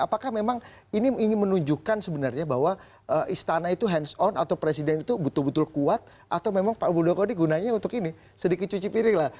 apakah memang ini ingin menunjukkan sebenarnya bahwa istana itu hands on atau presiden itu betul betul kuat atau memang pak muldoko ini gunanya untuk ini sedikit cuci piring lah